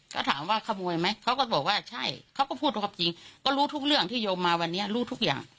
ก็ถามว่าขโมยไหมเขาก็บอกว่าใช่เขาก็พูดความจริงก็รู้ทุกเรื่องที่โยมมาวันนี้รู้ทุกอย่าง